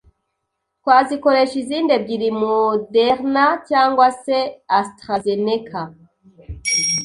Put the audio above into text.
twazikoresha. Izindi ebyiri, Moderna cyangwa se AstraZeneca,